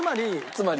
つまり？